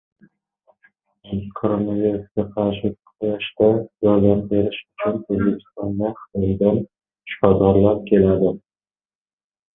Koronavirusga qarshi kurashda yordam berish uchun O‘zbekistonga Xitoydan shifokorlar keladi